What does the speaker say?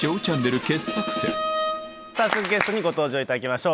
早速ゲストにご登場いただきましょう。